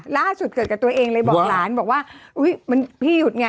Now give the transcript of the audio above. ล่าสุดเกิดกับตัวเองเลยบอกหลานบอกว่าอุ๊ยมันพี่หยุดไง